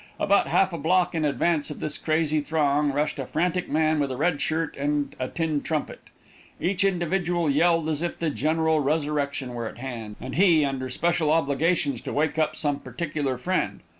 About half a block in advance of this crazy throng rushed a frantic man, with a red shirt and a tin trumpet. Each individual yelled as if the general resurrection were at hand, and he under special obligations to wake up some particular friend.